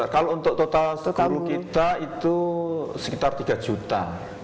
kalau untuk total guru kita itu sekitar tiga juta